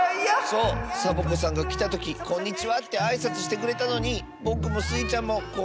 そうサボ子さんがきたとき「こんにちは」ってあいさつしてくれたのにぼくもスイちゃんも「こんにちは」いわなかったッス。